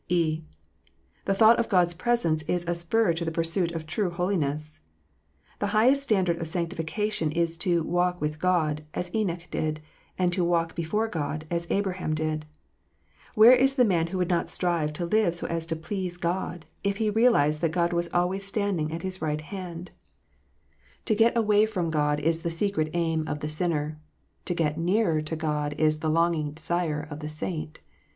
(e) The thought of God s presence is a spur to the pursuit of true holiness. The highest standard of sanctincation is to "walk with God" as Enoch did, and to "walk before God" as Abraham did. Where is the man who would not strive to live so as to please God, if he realized that God was always standing at his right hand 1 To get away from God is the THE REAL PRESENCE. secret aim of the sinner ; to get nearer to God is the longing desire of the saint.